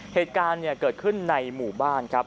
เหตุการณ์เกิดขึ้นในหมู่บ้านครับ